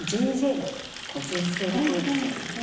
『ＪＪ』の全盛のころですよね。